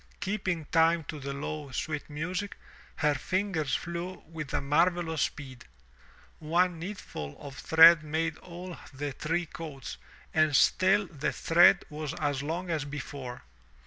Keeping time to the low, sweet music, her fingers flew with a marvelous speed. One needleful of thread made all the three coats and still the thread was as long as before.